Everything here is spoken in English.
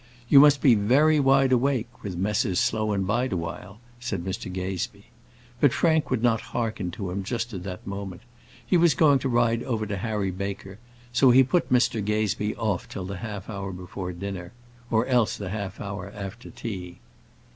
"You must be very wide awake with Messrs Slow & Bideawhile," said Mr Gazebee. But Frank would not hearken to him just at that moment. He was going to ride over to Harry Baker, so he put Mr Gazebee off till the half hour before dinner, or else the half hour after tea.